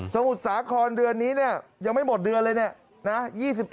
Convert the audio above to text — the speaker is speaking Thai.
สมุทรสาคอนเดือนนี้ยังไม่หมดเดือนเลยนี่